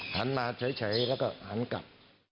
หันมาเฉยแล้วก็หันกลับ